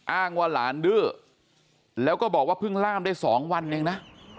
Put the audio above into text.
อ้างว่าหลานดื้อแล้วก็บอกว่าเพิ่งล่ามได้๒วันเองนะ